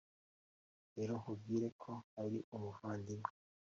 rero nkubwira ko ari umuvandimwe